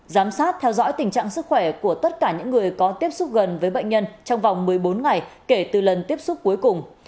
giám sát theo dõi tình trạng sức khỏe của tất cả những người có tiếp xúc gần với bệnh nhân trong vòng một mươi bốn ngày kể từ lần tiếp xúc cuối cùng